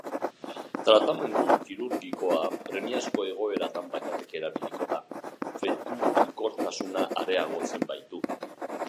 Tratamendu kirurgikoa premiazko egoeratan bakarrik erabiliko da, fetu-hilkortasuna areagotzen baitu.